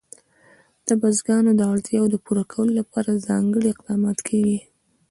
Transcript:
د بزګانو د اړتیاوو پوره کولو لپاره ځانګړي اقدامات کېږي.